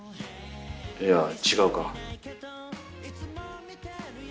いや違うか。